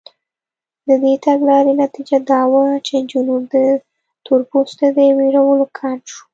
د دې تګلارې نتیجه دا وه چې جنوب د تورپوستو د وېرولو کمپ شو.